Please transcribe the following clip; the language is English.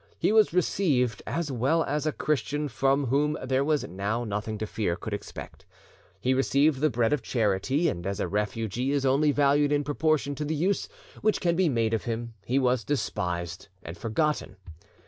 He was received as well as a Christian from whom there was now nothing to fear, could expect. He received the bread of charity, and as a refugee is only valued in proportion to the use which can be made of him, he was despised and forgotten.